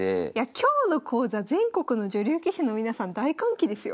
今日の講座全国の女流棋士の皆さん大歓喜ですよ。